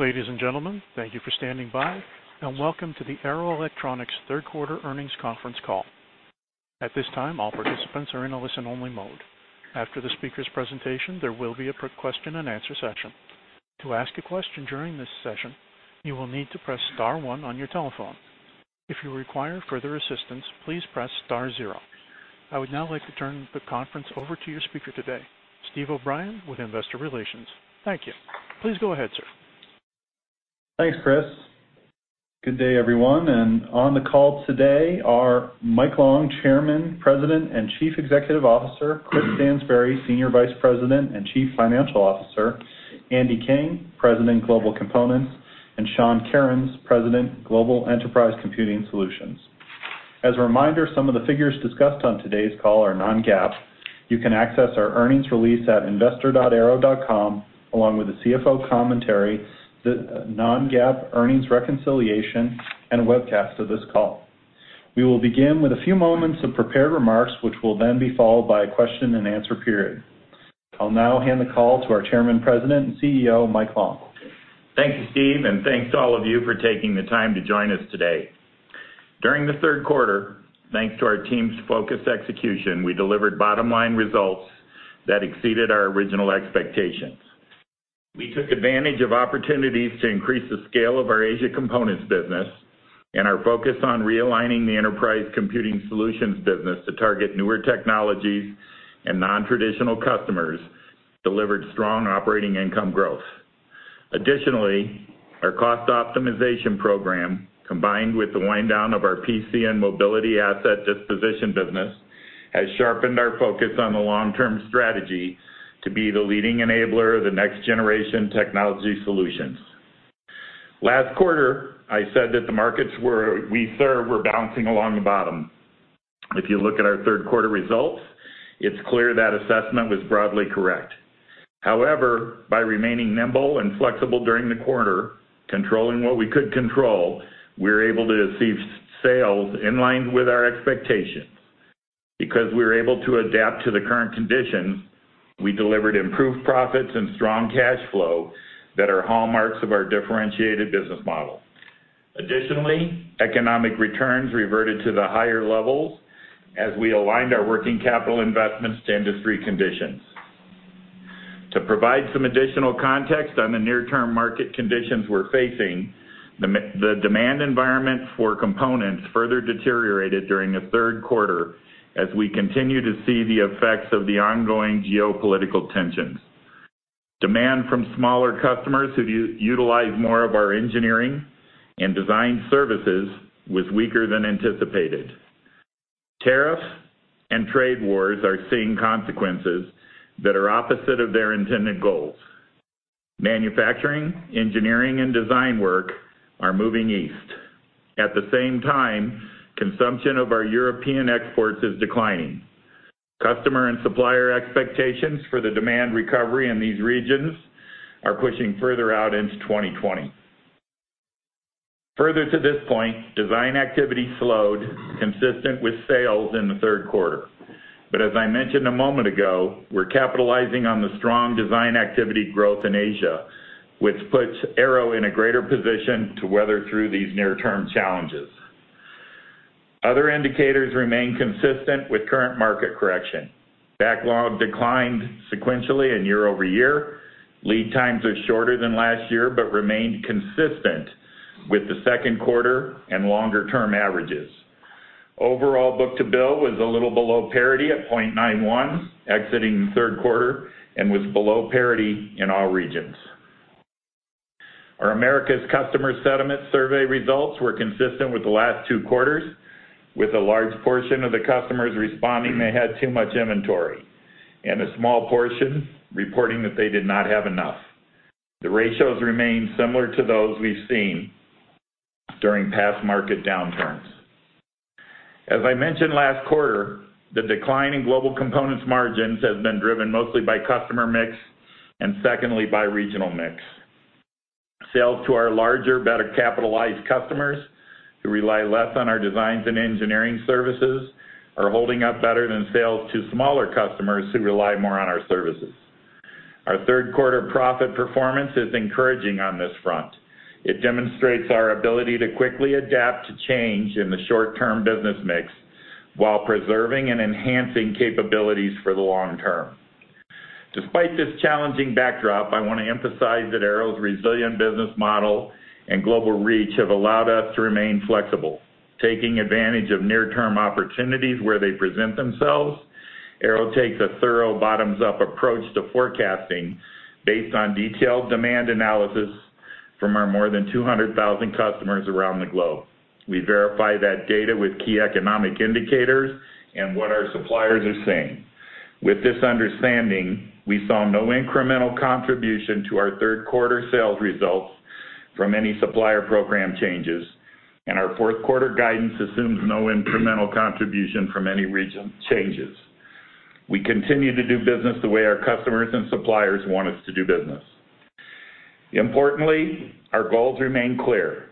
Ladies and gentlemen, thank you for standing by, and welcome to the Arrow Electronics third quarter earnings conference call. At this time, all participants are in a listen-only mode. After the speaker's presentation, there will be a question and answer session. To ask a question during this session, you will need to press star one on your telephone. If you require further assistance, please press star zero. I would now like to turn the conference over to your speaker today, Steve O’Brien, with Investor Relations. Thank you. Please go ahead, sir. Thanks, Chris. Good day, everyone, and on the call today are Mike Long, Chairman, President, and Chief Executive Officer, Chris Stansbury, Senior Vice President and Chief Financial Officer, Andy King, President, Global Components, and Sean Kerins, President, Global Enterprise Computing Solutions. As a reminder, some of the figures discussed on today's call are non-GAAP. You can access our earnings release at investor.arrow.com, along with the CFO commentary, the non-GAAP earnings reconciliation, and a webcast of this call. We will begin with a few moments of prepared remarks, which will then be followed by a question-and-answer period. I'll now hand the call to our Chairman, President, and CEO, Mike Long. Thank you, Steve, and thanks to all of you for taking the time to join us today. During the third quarter, thanks to our team's focused execution, we delivered bottom-line results that exceeded our original expectations. We took advantage of opportunities to increase the scale of our Asia components business, and our focus on realigning the Enterprise Computing Solutions business to target newer technologies and nontraditional customers delivered strong operating income growth. Additionally, our cost optimization program, combined with the wind down of our PC and mobility asset disposition business, has sharpened our focus on the long-term strategy to be the leading enabler of the next-generation technology solutions. Last quarter, I said that the markets we serve were bouncing along the bottom. If you look at our third quarter results, it's clear that assessment was broadly correct. However, by remaining nimble and flexible during the quarter, controlling what we could control, we're able to achieve sales in line with our expectations. Because we were able to adapt to the current conditions, we delivered improved profits and strong cash flow that are hallmarks of our differentiated business model. Additionally, economic returns reverted to the higher levels as we aligned our working capital investments to industry conditions. To provide some additional context on the near-term market conditions we're facing, the demand environment for components further deteriorated during the third quarter as we continue to see the effects of the ongoing geopolitical tensions. Demand from smaller customers who utilize more of our engineering and design services was weaker than anticipated. Tariffs and trade wars are seeing consequences that are opposite of their intended goals. Manufacturing, engineering, and design work are moving east. At the same time, consumption of our European exports is declining. Customer and supplier expectations for the demand recovery in these regions are pushing further out into 2020. Further to this point, design activity slowed, consistent with sales in the third quarter. But as I mentioned a moment ago, we're capitalizing on the strong design activity growth in Asia, which puts Arrow in a greater position to weather through these near-term challenges. Other indicators remain consistent with current market correction. Backlog declined sequentially and year-over-year. Lead times are shorter than last year, but remained consistent with the second quarter and longer-term averages. Overall book-to-bill was a little below parity at 0.91, exiting the third quarter, and was below parity in all regions. Our Americas Customer Sentiment Survey results were consistent with the last two quarters, with a large portion of the customers responding they had too much inventory, and a small portion reporting that they did not have enough. The ratios remain similar to those we've seen during past market downturns. As I mentioned last quarter, the decline in Global Components margins has been driven mostly by customer mix and secondly, by regional mix. Sales to our larger, better capitalized customers, who rely less on our designs and engineering services, are holding up better than sales to smaller customers who rely more on our services. Our third quarter profit performance is encouraging on this front. It demonstrates our ability to quickly adapt to change in the short-term business mix, while preserving and enhancing capabilities for the long term. Despite this challenging backdrop, I want to emphasize that Arrow's resilient business model and global reach have allowed us to remain flexible, taking advantage of near-term opportunities where they present themselves. Arrow takes a thorough bottoms-up approach to forecasting based on detailed demand analysis from our more than 200,000 customers around the globe. We verify that data with key economic indicators and what our suppliers are saying. With this understanding, we saw no incremental contribution to our third quarter sales results from any supplier program changes, and our fourth quarter guidance assumes no incremental contribution from any region changes. We continue to do business the way our customers and suppliers want us to do business. Importantly, our goals remain clear:...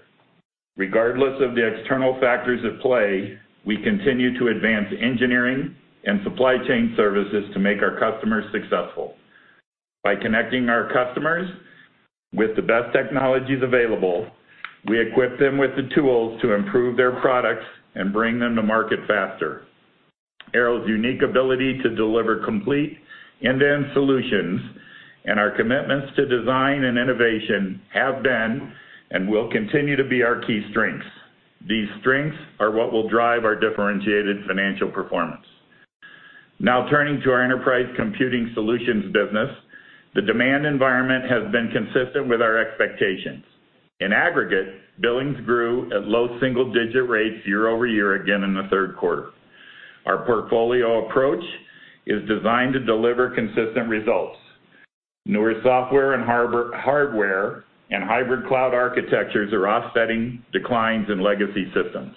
Regardless of the external factors at play, we continue to advance engineering and supply chain services to make our customers successful. By connecting our customers with the best technologies available, we equip them with the tools to improve their products and bring them to market faster. Arrow's unique ability to deliver complete end-to-end solutions and our commitments to design and innovation have been, and will continue to be, our key strengths. These strengths are what will drive our differentiated financial performance. Now turning to our Enterprise Computing Solutions business. The demand environment has been consistent with our expectations. In aggregate, billings grew at low single-digit rates year-over-year again in the third quarter. Our portfolio approach is designed to deliver consistent results. Newer software and hardware and hybrid cloud architectures are offsetting declines in legacy systems.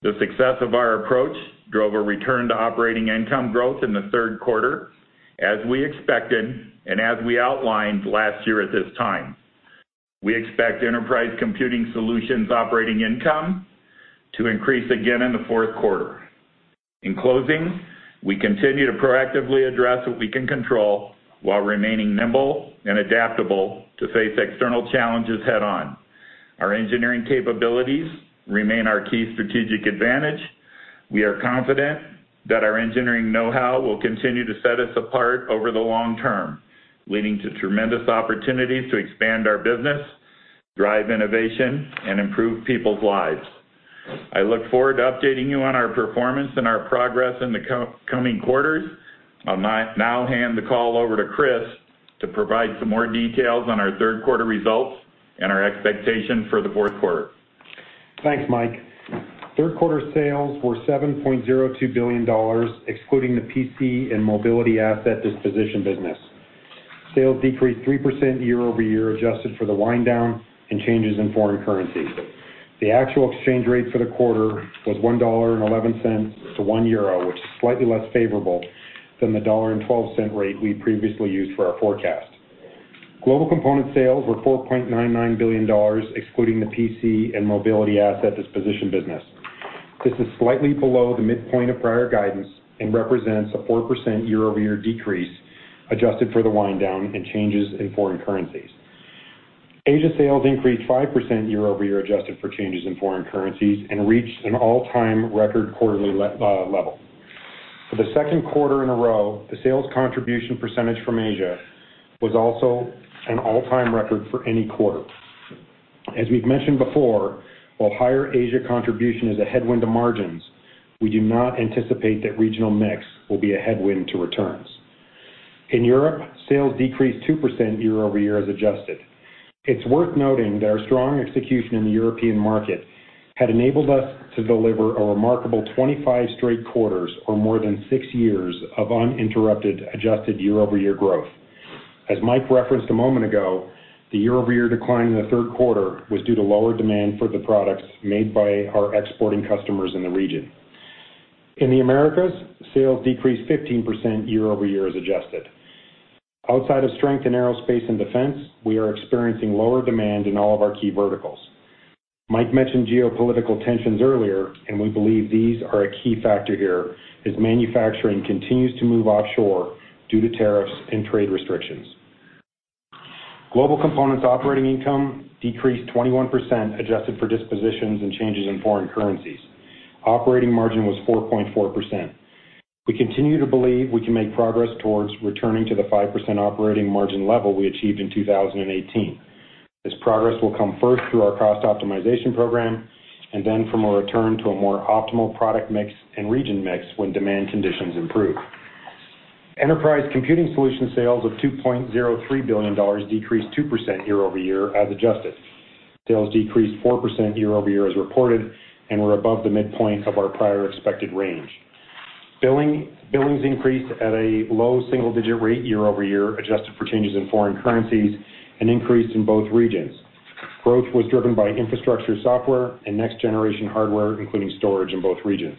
The success of our approach drove a return to operating income growth in the third quarter, as we expected and as we outlined last year at this time. We expect Enterprise Computing Solutions operating income to increase again in the fourth quarter. In closing, we continue to proactively address what we can control while remaining nimble and adaptable to face external challenges head-on. Our engineering capabilities remain our key strategic advantage. We are confident that our engineering know-how will continue to set us apart over the long term, leading to tremendous opportunities to expand our business, drive innovation, and improve people's lives. I look forward to updating you on our performance and our progress in the coming quarters. I'll now hand the call over to Chris to provide some more details on our third quarter results and our expectation for the fourth quarter. Thanks, Mike. Third quarter sales were $7.02 billion, excluding the PC and mobility asset disposition business. Sales decreased 3% year-over-year, adjusted for the wind down and changes in foreign currencies. The actual exchange rate for the quarter was $1.11 to 1 euro, which is slightly less favorable than the $1.12 rate we previously used for our forecast. Global Components sales were $4.99 billion, excluding the PC and mobility asset disposition business. This is slightly below the midpoint of prior guidance and represents a 4% year-over-year decrease, adjusted for the wind down and changes in foreign currencies. Asia sales increased 5% year-over-year, adjusted for changes in foreign currencies, and reached an all-time record quarterly level. For the second quarter in a row, the sales contribution percentage from Asia was also an all-time record for any quarter. As we've mentioned before, while higher Asia contribution is a headwind to margins, we do not anticipate that regional mix will be a headwind to returns. In Europe, sales decreased 2% year-over-year as adjusted. It's worth noting that our strong execution in the European market had enabled us to deliver a remarkable 25 straight quarters, or more than six years, of uninterrupted, adjusted year-over-year growth. As Mike referenced a moment ago, the year-over-year decline in the third quarter was due to lower demand for the products made by our exporting customers in the region. In the Americas, sales decreased 15% year-over-year as adjusted. Outside of strength in aerospace and defense, we are experiencing lower demand in all of our key verticals. Mike mentioned geopolitical tensions earlier, and we believe these are a key factor here, as manufacturing continues to move offshore due to tariffs and trade restrictions. Global Components operating income decreased 21%, adjusted for dispositions and changes in foreign currencies. Operating margin was 4.4%. We continue to believe we can make progress towards returning to the 5% operating margin level we achieved in 2018. This progress will come first through our cost optimization program, and then from a return to a more optimal product mix and region mix when demand conditions improve. Enterprise Computing Solutions sales of $2.03 billion decreased 2% year-over-year, as adjusted. Sales decreased 4% year-over-year as reported, and were above the midpoint of our prior expected range. Billings increased at a low single digit rate year-over-year, adjusted for changes in foreign currencies, and increased in both regions. Growth was driven by infrastructure software and next-generation hardware, including storage in both regions.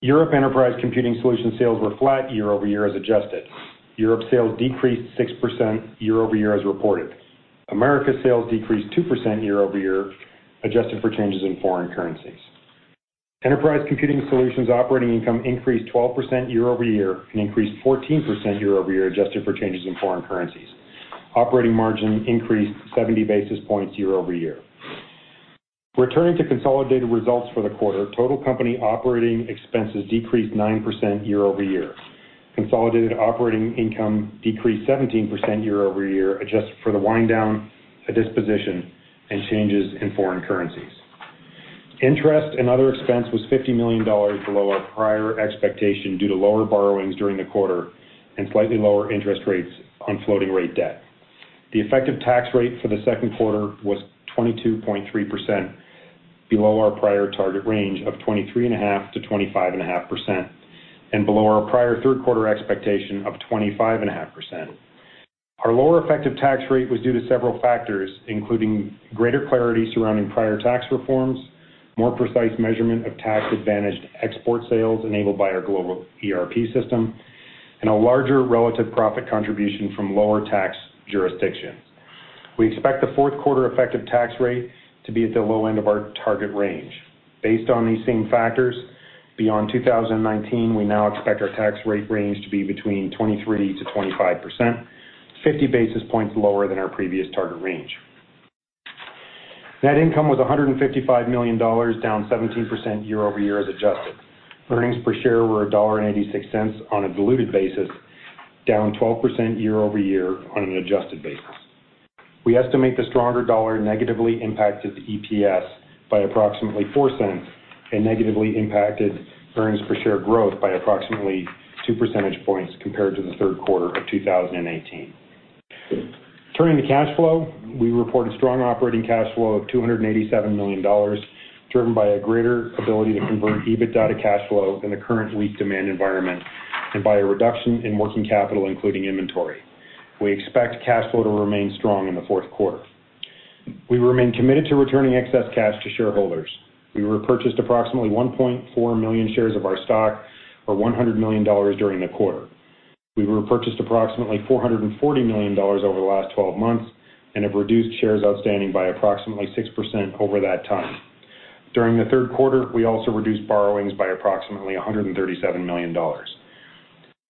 Europe Enterprise Computing Solutions sales were flat year-over-year as adjusted. Europe sales decreased 6% year-over-year as reported. Americas sales decreased 2% year-over-year, adjusted for changes in foreign currencies. Enterprise Computing Solutions operating income increased 12% year-over-year and increased 14% year-over-year, adjusted for changes in foreign currencies. Operating margin increased 70 basis points year-over-year. Returning to consolidated results for the quarter, total company operating expenses decreased 9% year-over-year. Consolidated operating income decreased 17% year-over-year, adjusted for the wind down, a disposition, and changes in foreign currencies. Interest and other expense was $50 million below our prior expectation due to lower borrowings during the quarter and slightly lower interest rates on floating rate debt. The effective tax rate for the second quarter was 22.3%, below our prior target range of 23.5%-25.5%, and below our prior third quarter expectation of 25.5%. Our lower effective tax rate was due to several factors, including greater clarity surrounding prior tax reforms, more precise measurement of tax-advantaged export sales enabled by our global ERP system... and a larger relative profit contribution from lower tax jurisdictions. We expect the fourth quarter effective tax rate to be at the low end of our target range. Based on these same factors, beyond 2019, we now expect our tax rate range to be between 23%-25%, 50 basis points lower than our previous target range. Net income was $155 million, down 17% year-over-year as adjusted. Earnings per share were $1.86 on a diluted basis, down 12% year-over-year on an adjusted basis. We estimate the stronger dollar negatively impacted the EPS by approximately $0.04, and negatively impacted earnings per share growth by approximately two percentage points compared to the third quarter of 2018. Turning to cash flow, we reported strong operating cash flow of $287 million, driven by a greater ability to convert EBITDA to cash flow in the current weak demand environment, and by a reduction in working capital, including inventory. We expect cash flow to remain strong in the fourth quarter. We remain committed to returning excess cash to shareholders. We repurchased approximately 1.4 million shares of our stock, or $100 million during the quarter. We repurchased approximately $440 million over the last twelve months, and have reduced shares outstanding by approximately 6% over that time. During the third quarter, we also reduced borrowings by approximately $137 million.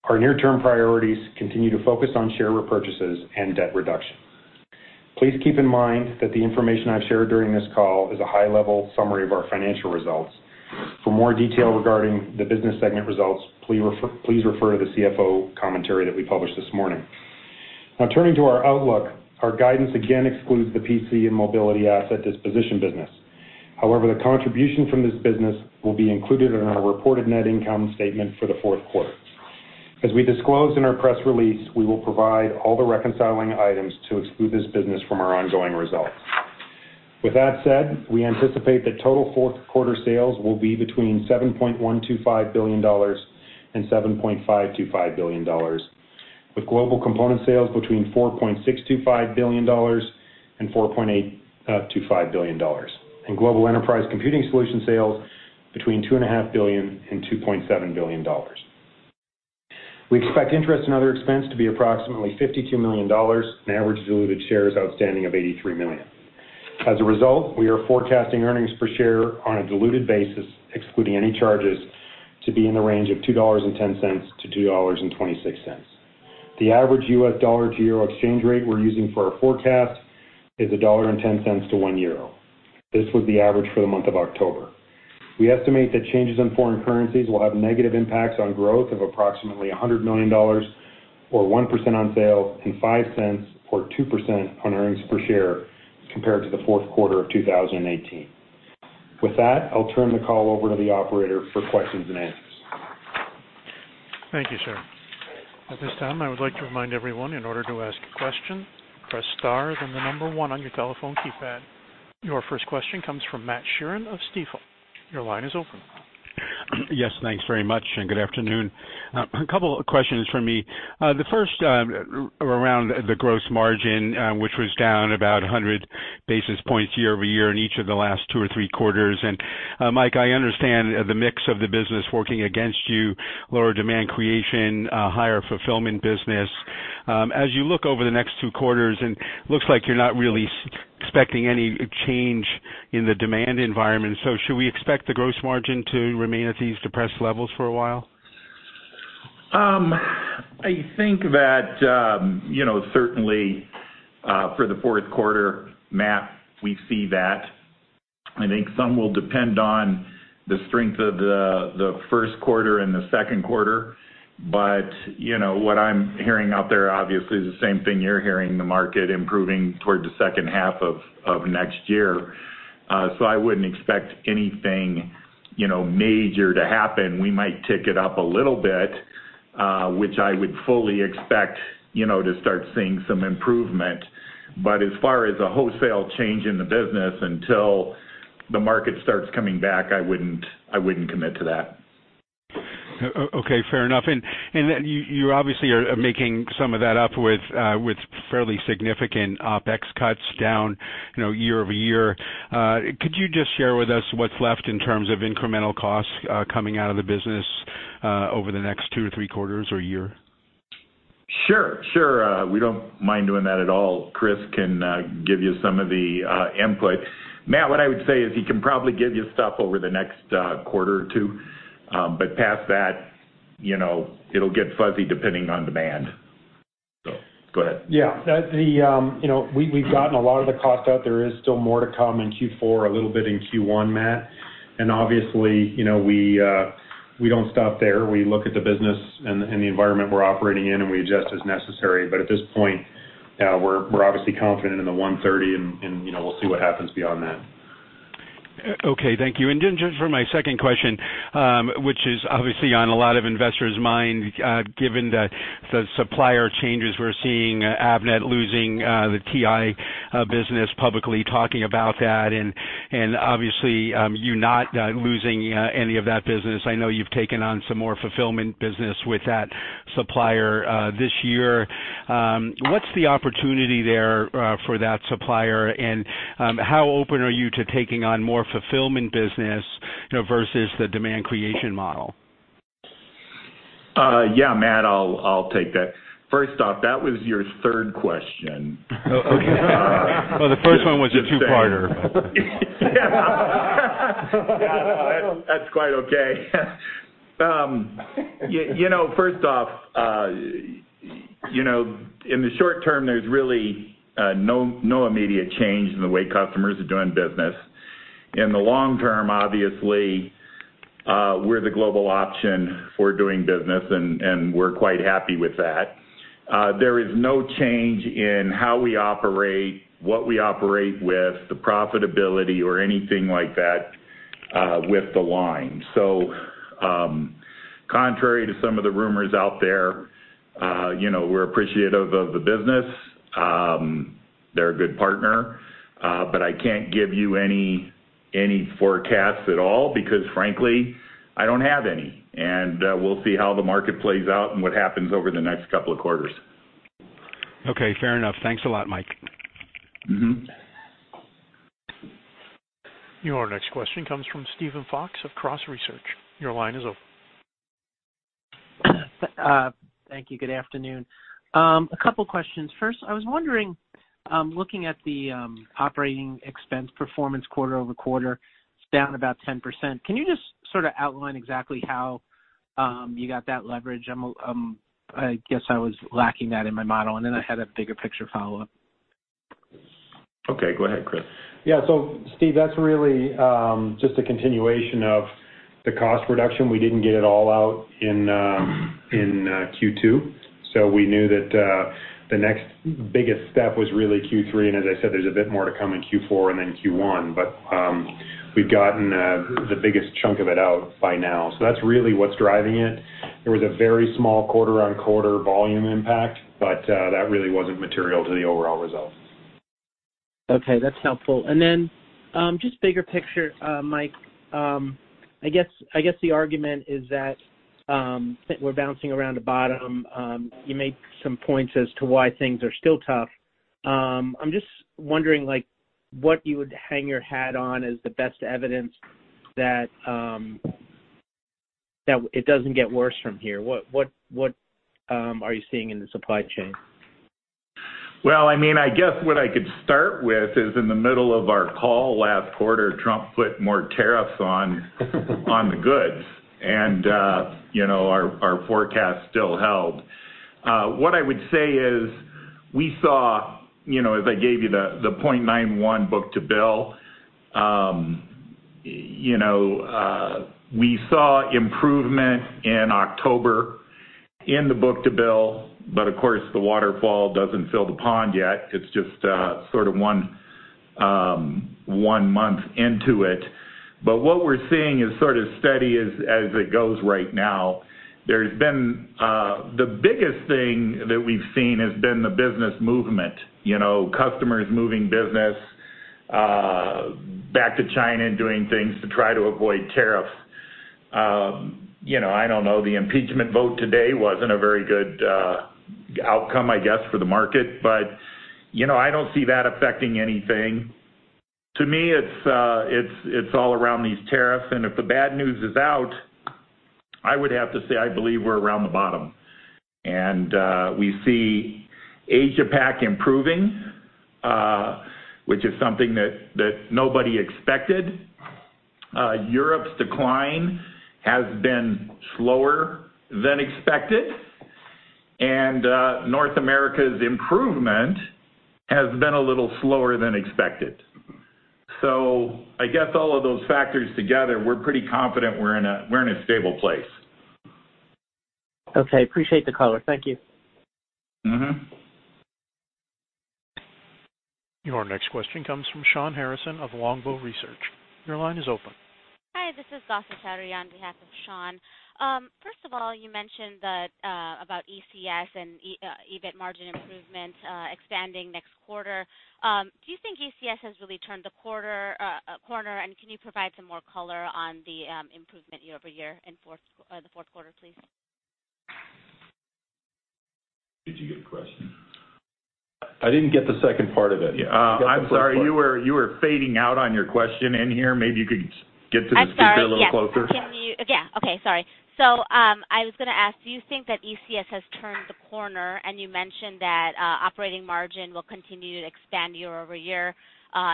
Our near-term priorities continue to focus on share repurchases and debt reduction. Please keep in mind that the information I've shared during this call is a high-level summary of our financial results. For more detail regarding the business segment results, please refer, please refer to the CFO commentary that we published this morning. Now turning to our outlook, our guidance again excludes the PC and mobility asset disposition business. However, the contribution from this business will be included in our reported net income statement for the fourth quarter. As we disclosed in our press release, we will provide all the reconciling items to exclude this business from our ongoing results. With that said, we anticipate that total fourth quarter sales will be between $7.125 billion and $7.525 billion, with Global Components sales between $4.625 billion and $4.825 billion, and Global Enterprise Computing Solutions sales between $2.5 billion and $2.7 billion. We expect interest and other expense to be approximately $52 million, and average diluted shares outstanding of 83 million. As a result, we are forecasting earnings per share on a diluted basis, excluding any charges, to be in the range of $2.10-$2.26. The average US dollar to euro exchange rate we're using for our forecast is $1.10-EUR 1. This was the average for the month of October. We estimate that changes in foreign currencies will have negative impacts on growth of approximately $100 million, or 1% on sales, and $0.05, or 2%, on earnings per share compared to the fourth quarter of 2018. With that, I'll turn the call over to the operator for questions and answers. Thank you, sir. At this time, I would like to remind everyone, in order to ask a question, press star, then the number one on your telephone keypad. Your first question comes from Matt Sheerin of Stifel. Your line is open. Yes, thanks very much, and good afternoon. A couple of questions from me. The first, around the gross margin, which was down about 100 basis points year-over-year in each of the last two or three quarters. Mike, I understand the mix of the business working against you, lower demand creation, higher fulfillment business. As you look over the next two quarters, and looks like you're not really expecting any change in the demand environment, so should we expect the gross margin to remain at these depressed levels for a while? I think that, you know, certainly, for the fourth quarter, Matt, we see that. I think some will depend on the strength of the first quarter and the second quarter. But, you know, what I'm hearing out there, obviously, is the same thing you're hearing, the market improving towards the second half of next year. So I wouldn't expect anything, you know, major to happen. We might tick it up a little bit, which I would fully expect, you know, to start seeing some improvement. But as far as a wholesale change in the business, until the market starts coming back, I wouldn't commit to that. Okay, fair enough. And you obviously are making some of that up with fairly significant OpEx cuts down, you know, year-over-year. Could you just share with us what's left in terms of incremental costs coming out of the business over the next two to three quarters or year? Sure, sure. We don't mind doing that at all. Chris can give you some of the input. Matt, what I would say is he can probably give you stuff over the next quarter or two, but past that, you know, it'll get fuzzy depending on demand. So go ahead. Yeah, you know, we, we've gotten a lot of the costs out. There is still more to come in Q4, a little bit in Q1, Matt. And obviously, you know, we, we don't stop there. We look at the business and, and the environment we're operating in, and we adjust as necessary. But at this point, we're, we're obviously confident in the 130 and, and, you know, we'll see what happens beyond that. Okay, thank you. And then just for my second question, which is obviously on a lot of investors' mind, given the supplier changes, we're seeing Avnet losing the TI business, publicly talking about that, and obviously you not losing any of that business. I know you've taken on some more fulfillment business with that supplier this year. What's the opportunity there for that supplier? And how open are you to taking on more fulfillment business, you know, versus the demand creation model? Yeah, Matt, I'll take that. First off, that was your third question. Oh, okay. Well, the first one was a two-parter. Yeah. Yeah, that's quite okay. You know, first off, you know, in the short term, there's really no immediate change in the way customers are doing business. In the long term, obviously, we're the global option for doing business, and we're quite happy with that. There is no change in how we operate, what we operate with, the profitability or anything like that, with the line. So, contrary to some of the rumors out there, you know, we're appreciative of the business. They're a good partner, but I can't give you any forecasts at all, because frankly, I don't have any. And, we'll see how the market plays out and what happens over the next couple of quarters. Okay, fair enough. Thanks a lot, Mike. Mm-hmm. Your next question comes from Steven Fox of Cross Research. Your line is open. Thank you. Good afternoon. A couple questions. First, I was wondering, looking at the operating expense performance quarter-over-quarter, it's down about 10%. Can you just sort of outline exactly how you got that leverage? I'm, I guess I was lacking that in my model, and then I had a bigger picture follow-up. Okay, go ahead, Chris. Yeah, so Steve, that's really just a continuation of the cost reduction. We didn't get it all out in Q2, so we knew that the next biggest step was really Q3. And as I said, there's a bit more to come in Q4 and then Q1, but we've gotten the biggest chunk of it out by now. So that's really what's driving it. There was a very small quarter-on-quarter volume impact, but that really wasn't material to the overall result. Okay, that's helpful. And then, just bigger picture, Mike, I guess, I guess the argument is that we're bouncing around the bottom. You made some points as to why things are still tough. I'm just wondering, like, what you would hang your hat on as the best evidence that that it doesn't get worse from here? What, what, what are you seeing in the supply chain? Well, I mean, I guess what I could start with is, in the middle of our call last quarter, Trump put more tariffs on the goods, and, you know, our forecast still held. What I would say is, we saw, you know, as I gave you the 0.91 book-to-bill, you know, we saw improvement in October in the book-to-bill, but of course, the waterfall doesn't fill the pond yet. It's just sort of one month into it. But what we're seeing is sort of steady as it goes right now. There's been... The biggest thing that we've seen has been the business movement, you know, customers moving business back to China and doing things to try to avoid tariffs. You know, I don't know, the impeachment vote today wasn't a very good outcome, I guess, for the market, but, you know, I don't see that affecting anything. To me, it's, it's all around these tariffs, and if the bad news is out, I would have to say, I believe we're around the bottom. And we see Asia Pacific improving, which is something that nobody expected. Europe's decline has been slower than expected, and North America's improvement has been a little slower than expected. So I guess all of those factors together, we're pretty confident we're in a stable place. Okay, appreciate the color. Thank you. Mm-hmm. Your next question comes from Sean Harrison of Longbow Research. Your line is open. Hi, this is Gausia Chowdhury on behalf of Sean. First of all, you mentioned that about ECS and EBIT margin improvement expanding next quarter. Do you think ECS has really turned the corner, and can you provide some more color on the improvement year-over-year in the fourth quarter, please? Did you get a question? I didn't get the second part of it. Yeah. I'm sorry. You were fading out on your question in here. Maybe you could get to the- I'm sorry. - Speaker a little closer. Yeah, okay, sorry. So, I was gonna ask, do you think that ECS has turned the corner? And you mentioned that operating margin will continue to expand year-over-year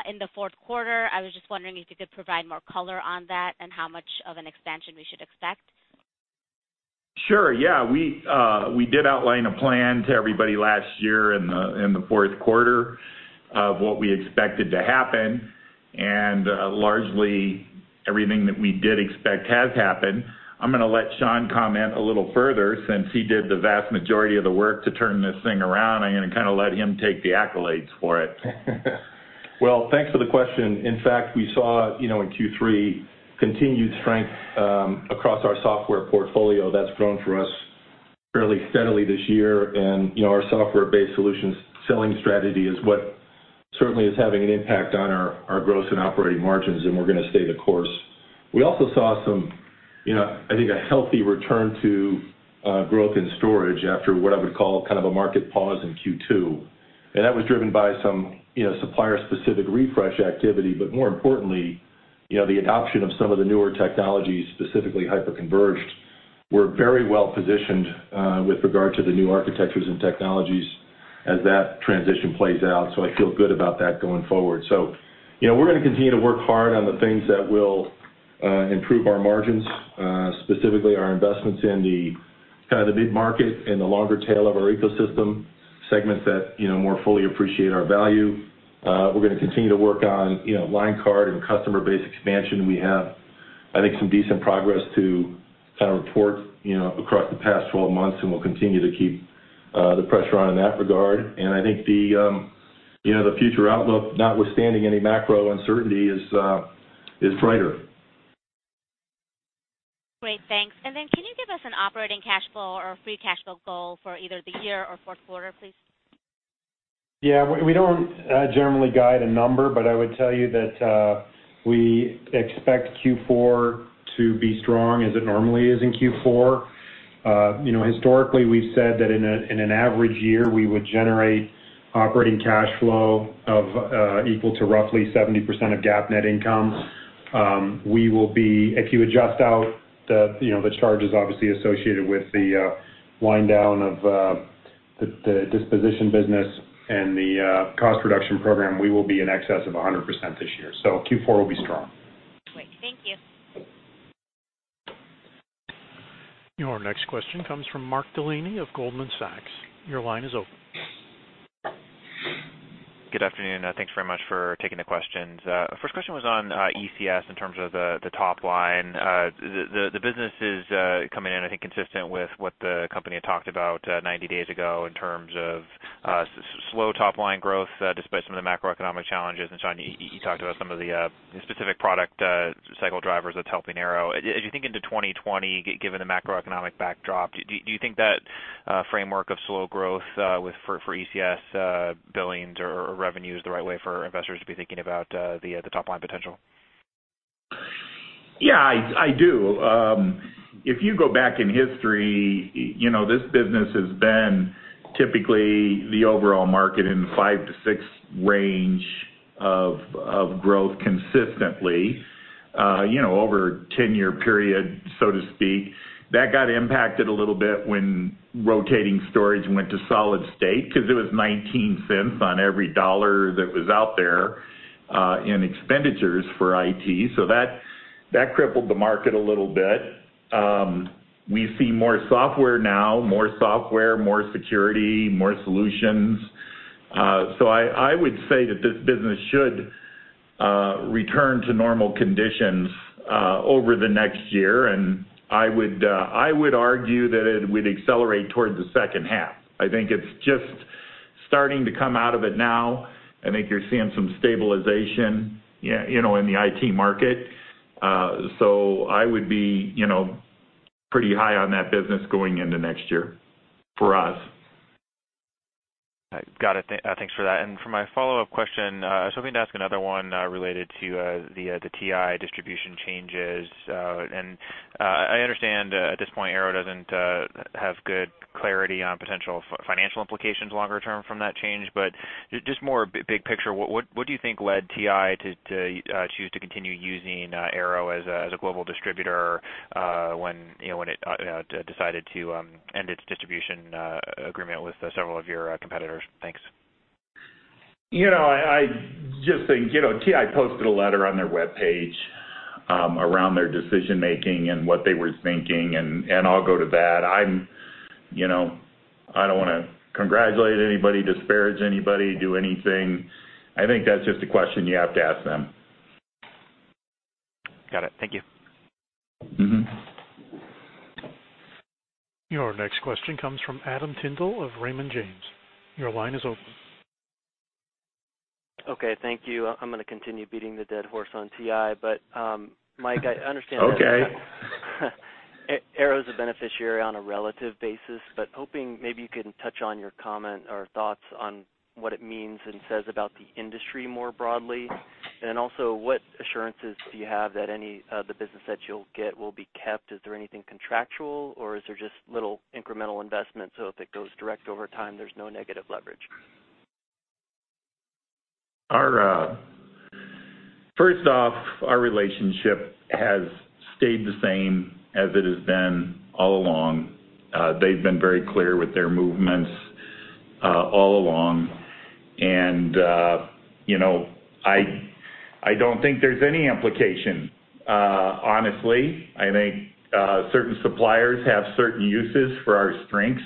in the fourth quarter. I was just wondering if you could provide more color on that and how much of an expansion we should expect. Sure, yeah. We did outline a plan to everybody last year in the fourth quarter of what we expected to happen, and largely, everything that we did expect has happened. I'm gonna let Sean comment a little further, since he did the vast majority of the work to turn this thing around. I'm gonna kind of let him take the accolades for it. Well, thanks for the question. In fact, we saw, you know, in Q3, continued strength across our software portfolio. That's grown for us fairly steadily this year. And, you know, our software-based solutions selling strategy is what-... certainly is having an impact on our gross and operating margins, and we're gonna stay the course. We also saw some, you know, I think, a healthy return to growth in storage after what I would call kind of a market pause in Q2, and that was driven by some, you know, supplier-specific refresh activity. But more importantly, you know, the adoption of some of the newer technologies, specifically hyperconverged, we're very well positioned with regard to the new architectures and technologies as that transition plays out. So I feel good about that going forward. So, you know, we're gonna continue to work hard on the things that will improve our margins, specifically our investments in the kind of the mid-market and the longer tail of our ecosystem, segments that, you know, more fully appreciate our value. We're gonna continue to work on, you know, line card and customer base expansion. We have, I think, some decent progress to kind of report, you know, across the past 12 months, and we'll continue to keep the pressure on in that regard. And I think the, you know, the future outlook, notwithstanding any macro uncertainty, is brighter. Great, thanks. Then can you give us an operating cash flow or a free cash flow goal for either the year or fourth quarter, please? Yeah, we don't generally guide a number, but I would tell you that we expect Q4 to be strong as it normally is in Q4. You know, historically, we've said that in an average year, we would generate operating cash flow of equal to roughly 70% of GAAP net income. We will be. If you adjust out the, you know, the charges obviously associated with the wind down of the disposition business and the cost reduction program, we will be in excess of 100% this year, so Q4 will be strong. Great. Thank you. Your next question comes from Mark Delaney of Goldman Sachs. Your line is open. Good afternoon, and thanks very much for taking the questions. First question was on ECS in terms of the top line. The business is coming in, I think, consistent with what the company had talked about 90 days ago in terms of slow top line growth, despite some of the macroeconomic challenges. And Sean, you talked about some of the specific product cycle drivers that's helping Arrow. As you think into 2020, given the macroeconomic backdrop, do you think that framework of slow growth for ECS billings or revenue is the right way for investors to be thinking about the top line potential? Yeah, I do. If you go back in history, you know, this business has been typically the overall market in 5-6 range of growth consistently, you know, over a 10-year period, so to speak. That got impacted a little bit when rotating storage went to solid state because it was 19 cents on every dollar that was out there in expenditures for IT. So that crippled the market a little bit. We see more software now, more software, more security, more solutions. So I would say that this business should return to normal conditions over the next year, and I would argue that it would accelerate towards the second half. I think it's just starting to come out of it now. I think you're seeing some stabilization, yeah, you know, in the IT market. I would be, you know, pretty high on that business going into next year for us. Got it. Thanks for that. And for my follow-up question, so I'm going to ask another one, related to the TI distribution changes. And I understand at this point, Arrow doesn't have good clarity on potential financial implications longer term from that change. But just more big picture, what do you think led TI to choose to continue using Arrow as a global distributor, when, you know, when it decided to end its distribution agreement with several of your competitors? Thanks. You know, I, I just think, you know, TI posted a letter on their webpage around their decision-making and what they were thinking, and, and I'll go to that. You know, I don't want to congratulate anybody, disparage anybody, do anything. I think that's just a question you have to ask them. Got it. Thank you. Mm-hmm. Your next question comes from Adam Tindle of Raymond James. Your line is open. Okay, thank you. I'm gonna continue beating the dead horse on TI. But, Mike, I understand- Okay. Arrow is a beneficiary on a relative basis, but hoping maybe you can touch on your comment or thoughts on what it means and says about the industry more broadly. And also, what assurances do you have that any, the business that you'll get will be kept? Is there anything contractual, or is there just little incremental investment, so if it goes direct over time, there's no negative leverage? First off, our relationship has stayed the same as it has been all along. They've been very clear with their movements, all along. And, you know, I don't think there's any implication, honestly. I think certain suppliers have certain uses for our strengths,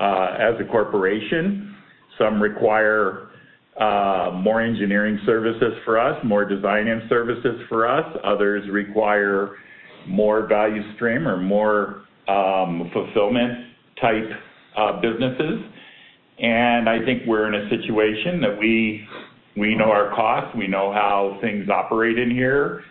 as a corporation. Some require more engineering services from us, more design-in services for us, others require more value stream or more, fulfillment-type businesses. And I think we're in a situation that we know our costs, we know how things operate in here...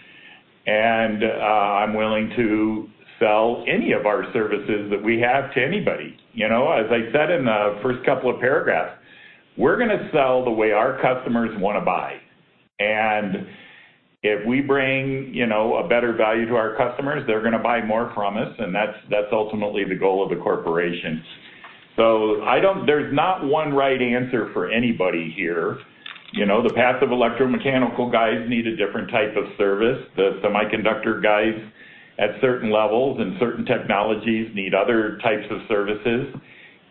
and I'm willing to sell any of our services that we have to anybody. You know, as I said in the first couple of paragraphs, we're gonna sell the way our customers wanna buy. And if we bring, you know, a better value to our customers, they're gonna buy more from us, and that's ultimately the goal of the corporation. So I don't. There's not one right answer for anybody here. You know, the passive electromechanical guys need a different type of service. The semiconductor guys, at certain levels and certain technologies, need other types of services,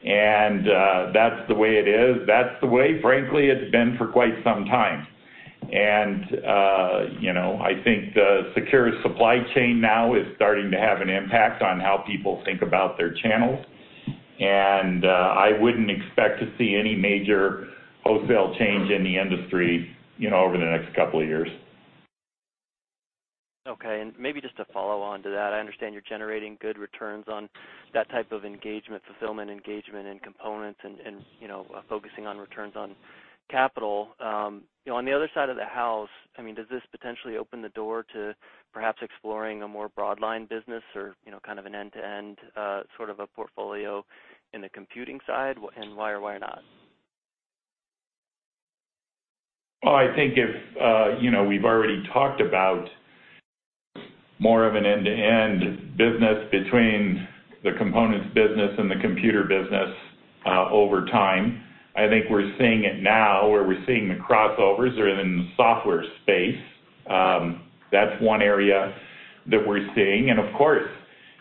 and that's the way it is. That's the way, frankly, it's been for quite some time. And you know, I think the secure supply chain now is starting to have an impact on how people think about their channels, and I wouldn't expect to see any major wholesale change in the industry, you know, over the next couple of years. Okay, and maybe just to follow on to that, I understand you're generating good returns on that type of engagement, fulfillment, engagement, and components and, and, you know, focusing on returns on capital. You know, on the other side of the house, I mean, does this potentially open the door to perhaps exploring a more broad line business or, you know, kind of an end-to-end, sort of a portfolio in the computing side? And why or why not? Well, I think if, you know, we've already talked about more of an end-to-end business between the components business and the computer business, over time. I think we're seeing it now, where we're seeing the crossovers are in the software space. That's one area that we're seeing, and of course,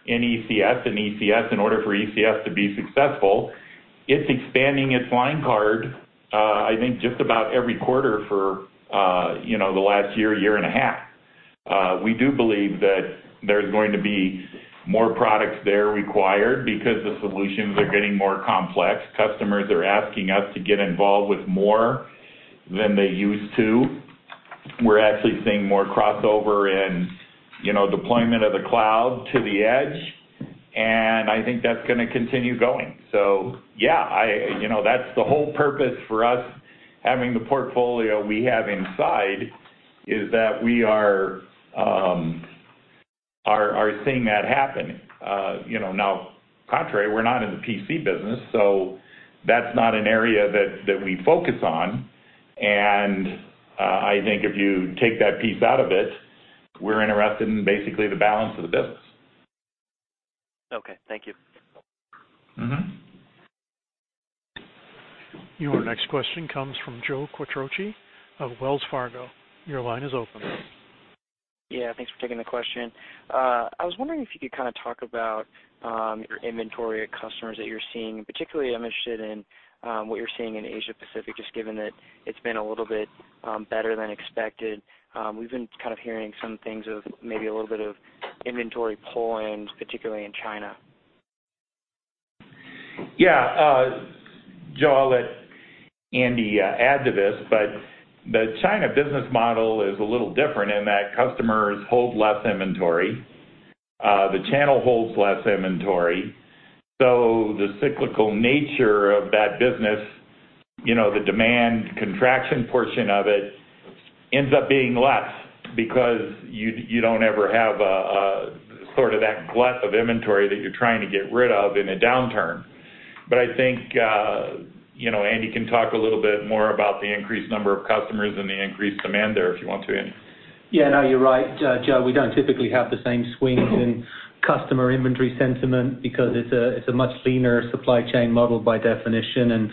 in ECS, in order for ECS to be successful, it's expanding its line card, I think just about every quarter for, you know, the last year and a half. We do believe that there's going to be more products there required because the solutions are getting more complex. Customers are asking us to get involved with more than they used to. We're actually seeing more crossover in, you know, deployment of the cloud to the edge, and I think that's gonna continue going. So yeah, you know, that's the whole purpose for us, having the portfolio we have inside, is that we are seeing that happen. You know, now, contrary, we're not in the PC business, so that's not an area that we focus on. And, I think if you take that piece out of it, we're interested in basically the balance of the business. Okay. Thank you. Mm-hmm. Your next question comes from Joe Quatrochi of Wells Fargo. Your line is open. Yeah, thanks for taking the question. I was wondering if you could kind of talk about your inventory of customers that you're seeing. Particularly, I'm interested in what you're seeing in Asia Pacific, just given that it's been a little bit better than expected. We've been kind of hearing some things of maybe a little bit of inventory pulling, particularly in China. Yeah, Joe, I'll let Andy add to this, but the China business model is a little different in that customers hold less inventory. The channel holds less inventory, so the cyclical nature of that business, you know, the demand contraction portion of it, ends up being less because you, you don't ever have a sort of that glut of inventory that you're trying to get rid of in a downturn. But I think, you know, Andy can talk a little bit more about the increased number of customers and the increased demand there, if you want to, Andy. Yeah, no, you're right, Joe. We don't typically have the same swings in customer inventory sentiment because it's a much leaner supply chain model by definition. And,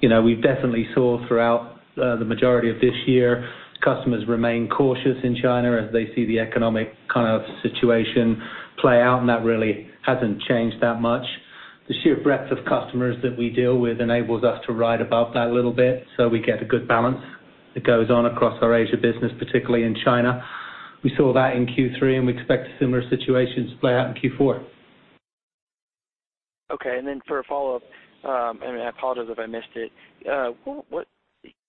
you know, we've definitely saw throughout the majority of this year, customers remain cautious in China as they see the economic kind of situation play out, and that really hasn't changed that much. The sheer breadth of customers that we deal with enables us to ride above that a little bit, so we get a good balance that goes on across our Asia business, particularly in China. We saw that in Q3, and we expect a similar situation to play out in Q4. Okay, and then for a follow-up, and I apologize if I missed it.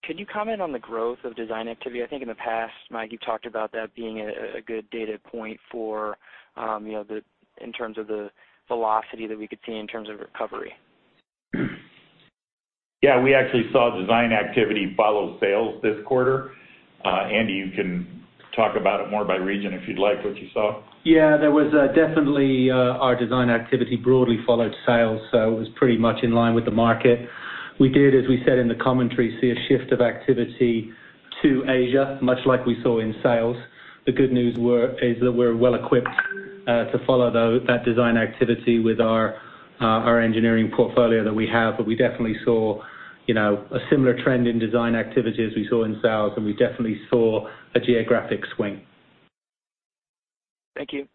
Can you comment on the growth of design activity? I think in the past, Mike, you talked about that being a good data point for, you know, the, in terms of the velocity that we could see in terms of recovery. Yeah, we actually saw design activity follow sales this quarter. Andy, you can talk about it more by region, if you'd like, what you saw. Yeah, there was definitely our design activity broadly followed sales, so it was pretty much in line with the market. We did, as we said in the commentary, see a shift of activity to Asia, much like we saw in sales. The good news were is that we're well equipped to follow that design activity with our engineering portfolio that we have, but we definitely saw, you know, a similar trend in design activity as we saw in sales, and we definitely saw a geographic swing. Thank you.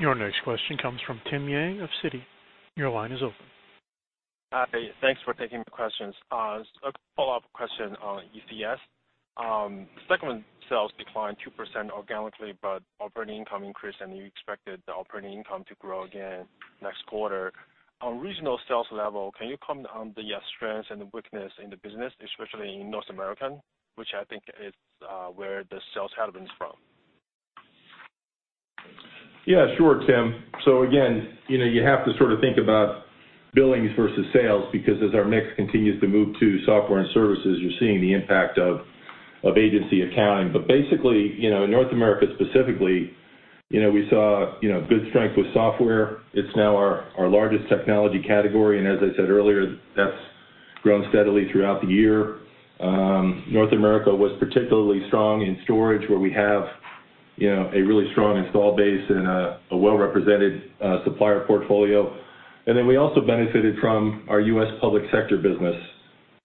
Your next question comes from Tim Yang of Citi. Your line is open. Hi, thanks for taking the questions. A follow-up question on ECS. Segment sales declined 2% organically, but operating income increased, and you expected the operating income to grow again next quarter. On regional sales level, can you comment on the strengths and the weakness in the business, especially in North America, which I think is where the sales headwinds from?... Yeah, sure, Tim. So again, you know, you have to sort of think about billings versus sales, because as our mix continues to move to software and services, you're seeing the impact of, of agency accounting. But basically, you know, in North America, specifically, you know, we saw, you know, good strength with software. It's now our, our largest technology category, and as I said earlier, that's grown steadily throughout the year. North America was particularly strong in storage, where we have, you know, a really strong installed base and a, a well-represented supplier portfolio. And then we also benefited from our U.S. public sector business.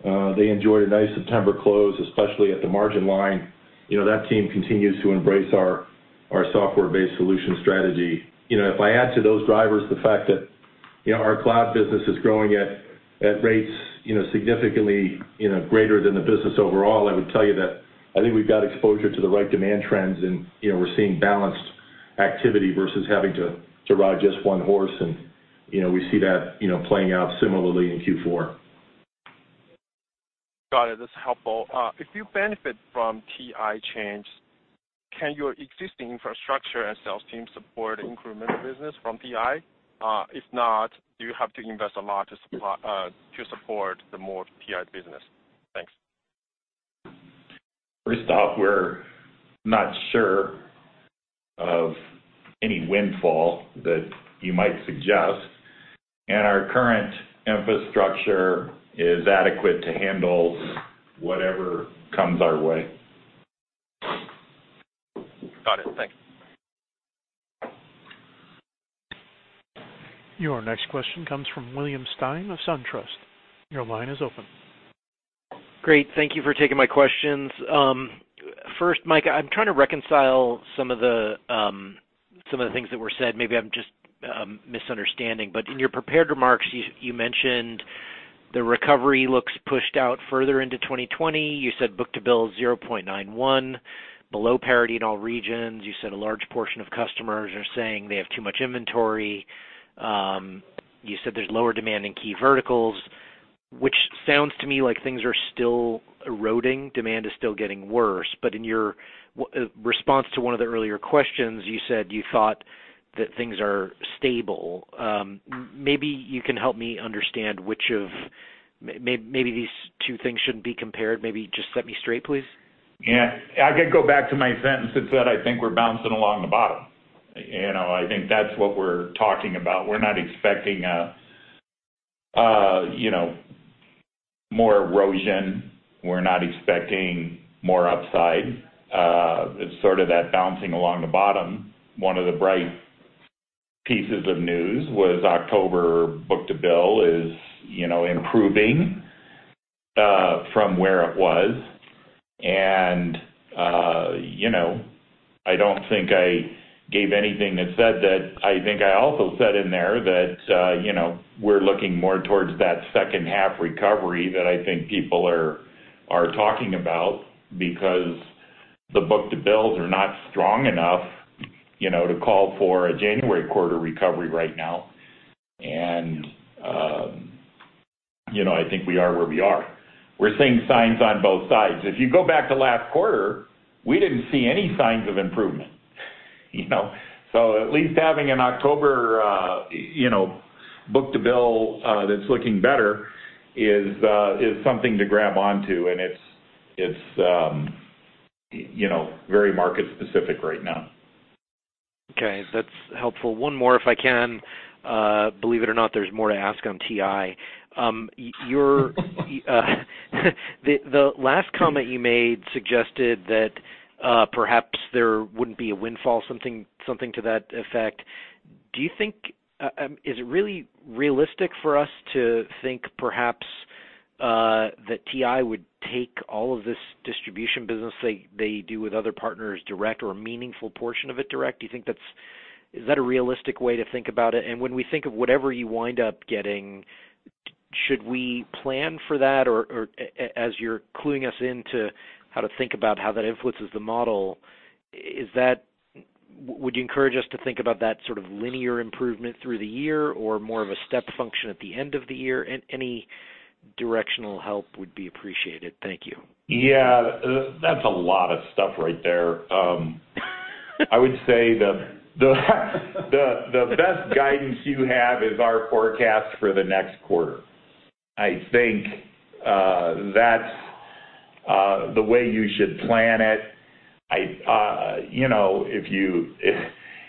They enjoyed a nice September close, especially at the margin line. You know, that team continues to embrace our, our software-based solution strategy. You know, if I add to those drivers the fact that, you know, our cloud business is growing at rates, you know, significantly greater than the business overall, I would tell you that I think we've got exposure to the right demand trends, and, you know, we're seeing balanced activity versus having to ride just one horse. You know, we see that, you know, playing out similarly in Q4. Got it. That's helpful. If you benefit from TI change, can your existing infrastructure and sales team support incremental business from TI? If not, do you have to invest a lot to support the more TI business? Thanks. First off, we're not sure of any windfall that you might suggest, and our current infrastructure is adequate to handle whatever comes our way. Got it. Thank you. Your next question comes from William Stein of SunTrust. Your line is open. Great. Thank you for taking my questions. First, Mike, I'm trying to reconcile some of the, some of the things that were said. Maybe I'm just, misunderstanding. But in your prepared remarks, you, you mentioned the recovery looks pushed out further into 2020. You said book-to-bill is 0.91, below parity in all regions. You said a large portion of customers are saying they have too much inventory. You said there's lower demand in key verticals, which sounds to me like things are still eroding, demand is still getting worse. But in your response to one of the earlier questions, you said you thought that things are stable. Maybe you can help me understand which of... Maybe these two things shouldn't be compared, maybe just set me straight, please. Yeah. I could go back to my sentences that I think we're bouncing along the bottom. You know, I think that's what we're talking about. We're not expecting a, you know, more erosion. We're not expecting more upside. It's sort of that bouncing along the bottom. One of the bright pieces of news was October book-to-bill is, you know, improving, from where it was. And, you know, I don't think I gave anything that said that. I think I also said in there that, you know, we're looking more towards that second half recovery that I think people are talking about, because the book-to-bills are not strong enough, you know, to call for a January quarter recovery right now. And, you know, I think we are where we are. We're seeing signs on both sides. If you go back to last quarter, we didn't see any signs of improvement, you know? So at least having an October book-to-bill that's looking better is something to grab on to, and it's you know, very market specific right now. Okay, that's helpful. One more, if I can. Believe it or not, there's more to ask on TI. The last comment you made suggested that, perhaps there wouldn't be a windfall, something, something to that effect. Do you think, Is it really realistic for us to think, perhaps, that TI would take all of this distribution business they, they do with other partners direct or a meaningful portion of it direct? Do you think that's a realistic way to think about it? And when we think of whatever you wind up getting, should we plan for that? As you're cluing us in to how to think about how that influences the model, would you encourage us to think about that sort of linear improvement through the year, or more of a step function at the end of the year? Any directional help would be appreciated. Thank you. Yeah, that's a lot of stuff right there. I would say the best guidance you have is our forecast for the next quarter. I think, that's the way you should plan it. You know, if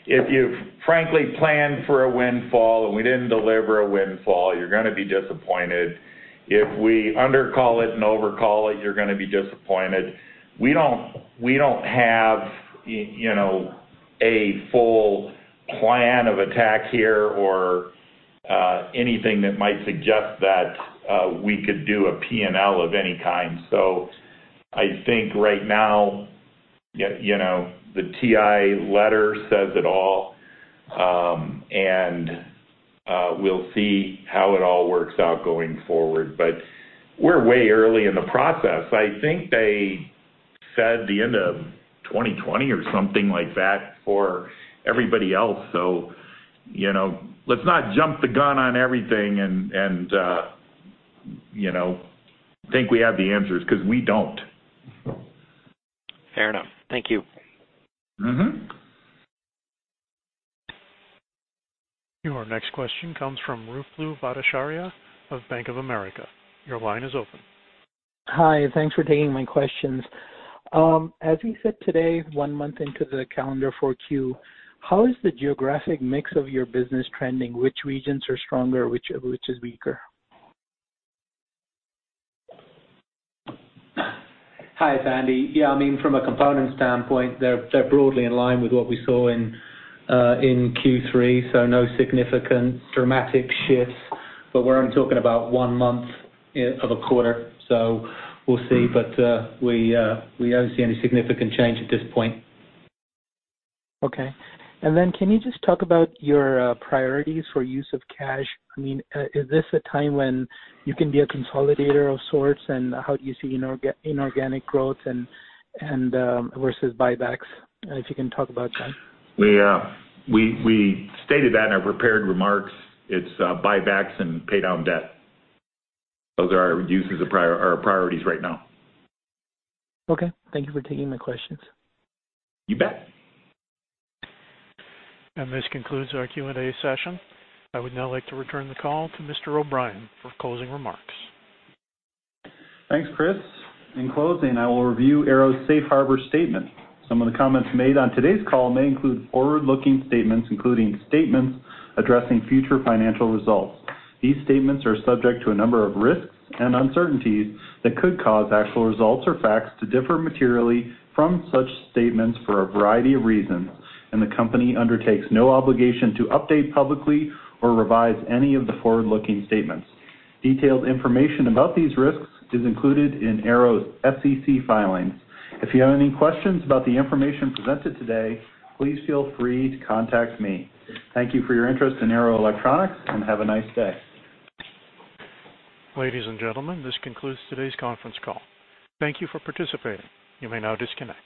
you've frankly planned for a windfall, and we didn't deliver a windfall, you're gonna be disappointed. If we undercall it and overcall it, you're gonna be disappointed. We don't have, you know, a full plan of attack here or, anything that might suggest that, we could do a P&L of any kind. So I think right now, you know, the TI letter says it all. And, we'll see how it all works out going forward, but we're way early in the process. I think they said the end of 2020 or something like that for everybody else. So, you know, let's not jump the gun on everything and, you know, think we have the answers, 'cause we don't. Fair enough. Thank you. Mm-hmm. Your next question comes from Ruplu Bhattacharya of Bank of America. Your line is open. Hi, thanks for taking my questions. As you said today, one month into the calendar for Q, how is the geographic mix of your business trending? Which regions are stronger, which is weaker? Hi, it's Andy. Yeah, I mean, from a component standpoint, they're broadly in line with what we saw in Q3, so no significant dramatic shifts. But we're only talking about one month of a quarter, so we'll see. But we don't see any significant change at this point. Okay. And then can you just talk about your priorities for use of cash? I mean, is this a time when you can be a consolidator of sorts? And how do you see inorganic growth and versus buybacks? If you can talk about that. We stated that in our prepared remarks. It's buybacks and pay down debt. Those are our uses, our priorities right now. Okay. Thank you for taking my questions. You bet. This concludes our Q&A session. I would now like to return the call to Mr. O'Brien for closing remarks. Thanks, Chris. In closing, I will review Arrow's Safe Harbor statement. Some of the comments made on today's call may include forward-looking statements, including statements addressing future financial results. These statements are subject to a number of risks and uncertainties that could cause actual results or facts to differ materially from such statements for a variety of reasons, and the company undertakes no obligation to update publicly or revise any of the forward-looking statements. Detailed information about these risks is included in Arrow's SEC filings. If you have any questions about the information presented today, please feel free to contact me. Thank you for your interest in Arrow Electronics, and have a nice day. Ladies and gentlemen, this concludes today's conference call. Thank you for participating. You may now disconnect.